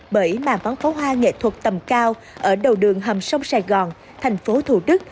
bởi màn bắn pháo hoa nghệ thuật tầm cao ở đầu đường hầm sông sài gòn thành phố thủ đức